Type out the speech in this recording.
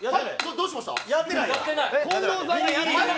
どうしました？